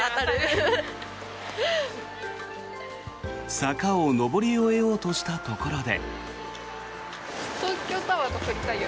坂を上り終えようとしたところで。